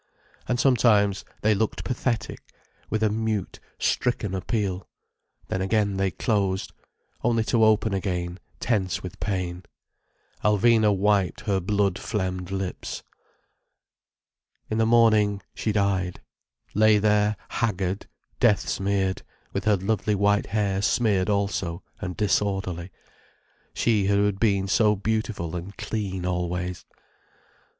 And sometimes they looked pathetic, with a mute, stricken appeal. Then again they closed—only to open again tense with pain. Alvina wiped her blood phlegmed lips. In the morning she died—lay there haggard, death smeared, with her lovely white hair smeared also, and disorderly: she who had been so beautiful and clean always.